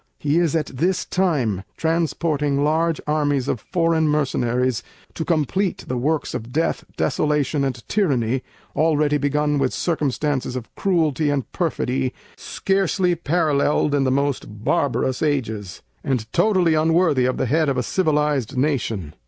He is at this time transporting large armies of foreign mercenaries to compleat the works of death, desolation and tyranny, already begun with circumstances of Cruelty & perfidy scarcely paralleled in the most barbarous ages, and totally unworthy of the Head of a civilized nation.